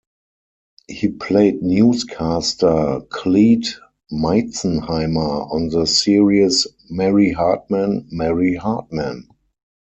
He played news caster Clete Meizenheimer on the series, "Mary Hartman, Mary Hartman".